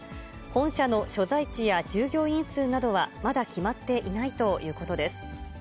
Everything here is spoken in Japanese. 本社の所在地や従業員数などは、まだ決まっていないということです。